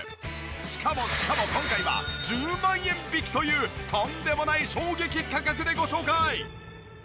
しかもしかも今回は１０万円引きというとんでもない衝撃価格でご紹介！